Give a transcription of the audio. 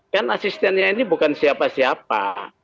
kan asistennya ini bukan siapa siapa